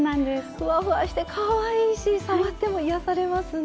ふわふわしてかわいいし触っても癒やされますね。